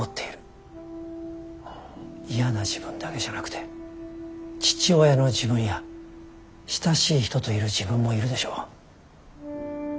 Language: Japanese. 嫌な自分だけじゃなくて父親の自分や親しい人といる自分もいるでしょう。